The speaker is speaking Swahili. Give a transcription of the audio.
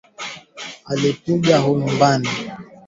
utahitaji unga wa ngano kikombe cha chai moja